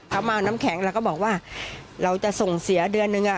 เขามาเอาน้ำแข็งเราก็บอกว่าเราจะส่งเสียเดือนนึงอ่ะ